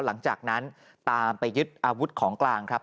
หลังจากนั้นตามไปยึดอาวุธของกลางครับ